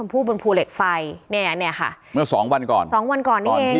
พูดบนภูเหล็กไฟเนี่ยเนี่ยค่ะเมื่อสองวันก่อนสองวันก่อนนี้เอง